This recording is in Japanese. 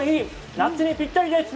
夏にぴったりです！